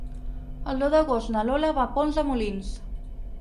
El deu d'agost na Lola va a Pont de Molins.